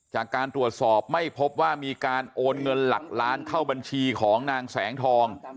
จากการตรวจสอบไม่พบว่ามีการโอนเงินหลักล้านเข้าบัญชีของนางแสงทอง